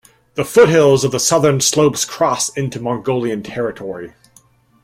The foothills of the southern slopes cross into Mongolian territory.